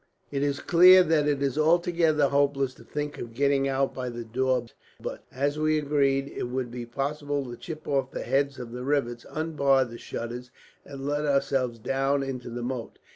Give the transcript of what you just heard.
"It is clear that it is altogether hopeless to think of getting out by the door but, as we agreed, it would be possible to chip off the heads of the rivets, unbar the shutters, and let ourselves down into the moat.